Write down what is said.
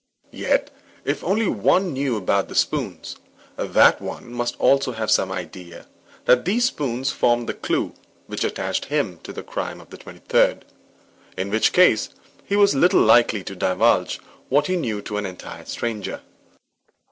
Yet if only one knew about the spoons, that one must also have some idea that these spoons formed the clue which attached him to the crime of the twenty third, in which case he was little likely to divulge what he knew to an entire stranger.